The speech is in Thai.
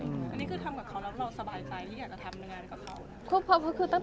อันนี้คือทำกับเขาแล้วเราสบายใจที่อยากจะทำงานกับเขา